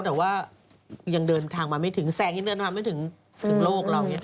แต่ว่ายังเดินทางมาไม่ถึงแสงยังเดินทางมาไม่ถึงโลกเรา